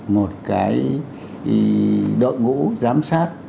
một cái đội ngũ giám sát